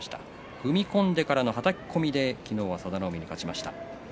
踏み込んでからのはたき込みで昨日は佐田の海に勝ちました。